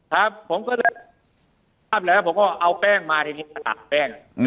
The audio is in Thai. ครับผมก็อัพแล้วผมก็เอาแป้งมาทีนี้มาตักแป้ง